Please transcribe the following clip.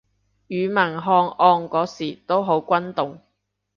庾文翰案嗰時都好轟動